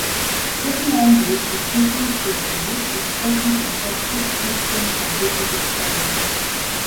Creatinine-based equations should be used with caution in cachectic patients and patients with cirrhosis.